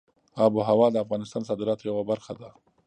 آب وهوا د افغانستان د صادراتو یوه برخه ده.